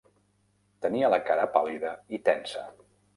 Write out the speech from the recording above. Tenia la cara pàl·lida i tensa.